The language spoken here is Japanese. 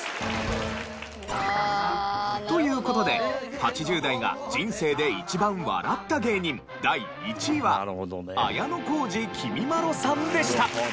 という事で８０代が人生で一番笑った芸人第１位は綾小路きみまろさんでした。